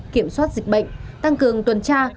kiểm soát dịch bệnh tăng cường tuần tra